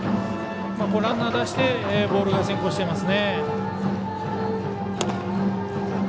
ランナー出してボールが先行してますね。